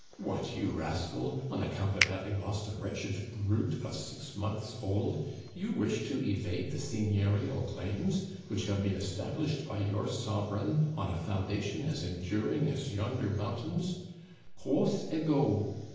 " What, you rascal ! On account of having lost a wretched brute of six months old you wish to evade the seigneurial claims, which have been established by your sovereign on a foundation as enduring as yonder mount ains. Quos ego